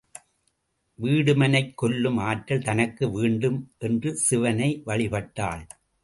வீடுமனைக் கொல்லும் ஆற்றல் தனக்கு வேண்டும் என்று சிவனை வழிபட்டாள்.